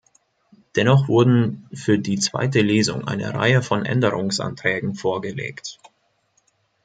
Dennoch wurden für die zweite Lesung eine Reihe von Änderungsanträgen vorgelegt.